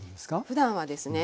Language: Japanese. ふだんはですね